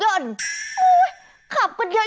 ย่ายดาวขอเอาอียาย